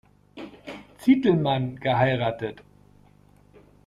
Zitelmann geheiratet.